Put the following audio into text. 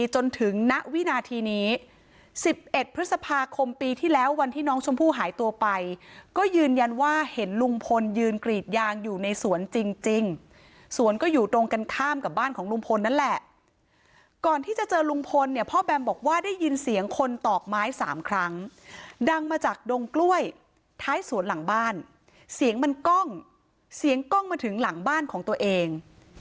จนถึงณวินาทีนี้๑๑พฤษภาคมปีที่แล้ววันที่น้องชมพู่หายตัวไปก็ยืนยันว่าเห็นลุงพลยืนกรีดยางอยู่ในสวนจริงสวนก็อยู่ตรงกันข้ามกับบ้านของลุงพลนั่นแหละก่อนที่จะเจอลุงพลเนี่ยพ่อแบมบอกว่าได้ยินเสียงคนตอกไม้สามครั้งดังมาจากดงกล้วยท้ายสวนหลังบ้านเสียงมันกล้องเสียงกล้องมาถึงหลังบ้านของตัวเอง